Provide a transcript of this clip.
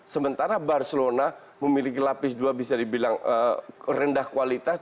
sementara barcelona memiliki lapis dua bisa dibilang rendah kualitas